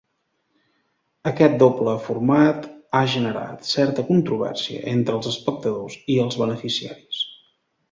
Aquest doble format ha generat certa controvèrsia entre els espectadors i els beneficiaris.